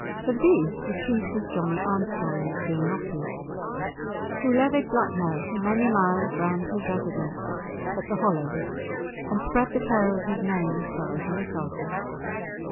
Of these the chief was Johnie Armstrong of Gilnockie, who levied blackmail for many miles round his residence at the Hollows, and spread the terror of his name as far as Newcastle.